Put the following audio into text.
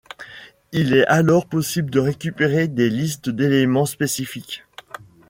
Il est alors possible de récupérer des listes d'éléments spécifiques.